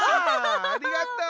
ありがとう。